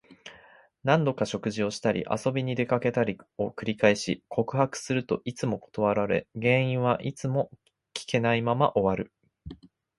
何度か食事をしたり、遊びに出かけたりを繰り返し、告白するといつも断られ、原因はいつも聞けないまま終わる。